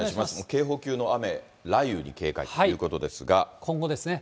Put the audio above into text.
警報級の雨、雷雨に警戒とい今後ですね。